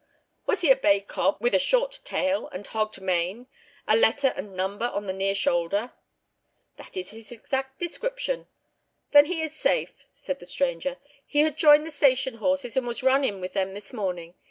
"Was he a bay cob with a short tail and hogged mane, a letter and number on the near shoulder?" "That is his exact description." "Then he is safe," said the stranger. "He had joined the station horses and was run in with them this morning.